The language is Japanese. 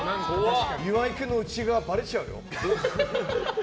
岩井君の内側ばれちゃうよ。